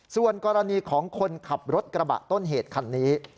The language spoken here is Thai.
ส่วนกรณีของคนขับรถกระบะต้นเหตุคันนี้